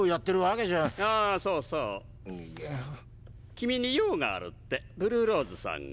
君に用があるってブルーローズさんが。